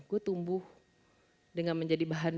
gue tumbuh dengan menjadi bahan